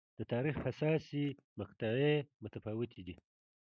د تاریخ حساسې مقطعې متفاوتې دي.